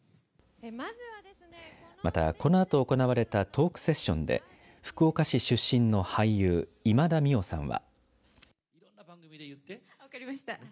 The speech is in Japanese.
また、このあと行われたトークセッションで福岡市出身の俳優今田美桜さんは。